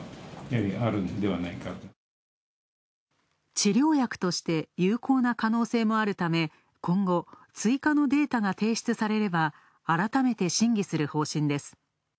治療薬として有効な可能性もあるため、今後、追加のデータが提出されれば、改めて審議する方針です。